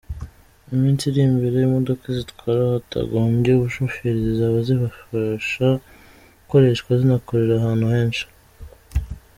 Mu minsi iri mbere imodoka zitwara hatangombye umushoferi zizaba zibasha gukoreshwa zinakorere ahantu henshi.